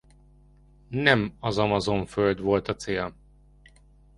Nem az Amazon-föld volt a cél.